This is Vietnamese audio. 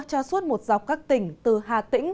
cho suốt một dọc các tỉnh từ hà tĩnh trở vàng